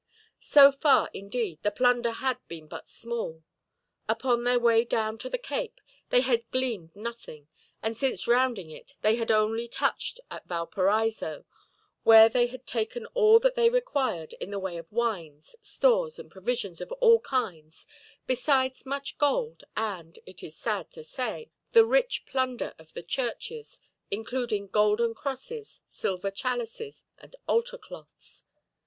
So far, indeed, the plunder had been but small. Upon their way down to the Cape they had gleaned nothing, and since rounding it they had only touched at Valparaiso, where they had taken all that they required in the way of wines, stores, and provisions of all kinds, besides much gold and, it is sad to say, the rich plunder of the churches, including golden crosses, silver chalices, and altar cloths.